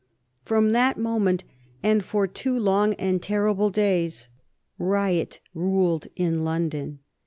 From that moment, and for two long and terrible days, riot ruled in London.